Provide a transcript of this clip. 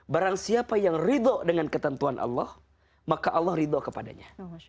barang siapa yang ridho dengan ketentuan allah maka allah ridho kepadanya